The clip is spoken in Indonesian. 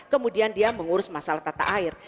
kemudian dia mengurus masalah tata air